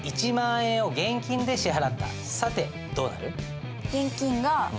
さてどうなる？